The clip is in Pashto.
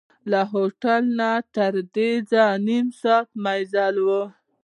له هوټل نه تردې ځایه نیم ساعت مزل و.